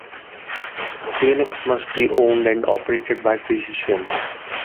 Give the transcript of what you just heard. Clinics must be owned and operated by physicians.